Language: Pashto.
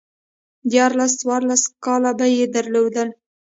ديارلس، څوارلس کاله به يې درلودل